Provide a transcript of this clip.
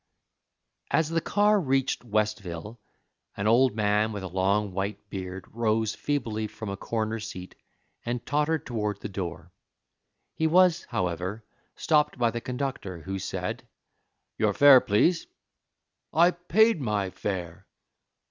As the car reached Westville, an old man with a long white beard rose feebly from a corner seat and tottered toward the door. He was, however, stopped by the conductor, who said: "Your fare, please." "I paid my fare."